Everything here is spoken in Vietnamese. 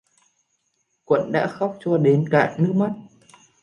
Quận đã khóc Cho Đến cạn nước mắt